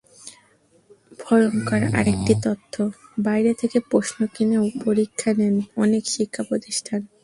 ভয়ংকর আরেকটি তথ্য, বাইরে থেকে প্রশ্ন কিনেও পরীক্ষা নেয় অনেক শিক্ষাপ্রতিষ্ঠান।